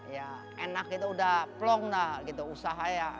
ya enak itu udah plong dah gitu usaha ya